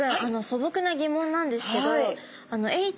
そぼくな疑問なんですけどエイ